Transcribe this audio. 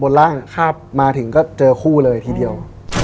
ร่างมาถึงก็เจอคู่เลยทีเดียว